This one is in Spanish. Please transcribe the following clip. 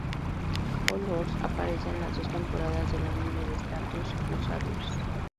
Hol Horse aparece en las dos temporadas del anime de Stardust Crusaders.